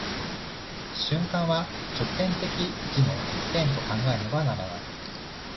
瞬間は直線的時の一点と考えねばならない。